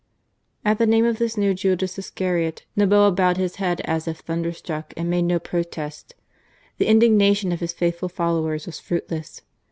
At the name of this new Judas Iscariot, Noboa bowed his head as if thunderstruck and made no protest. The indignation of his faithful followers was fruitless.